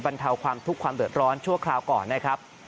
บรรเทาความทุกข์ความเดือดร้อนชั่วคราวก่อนนะครับ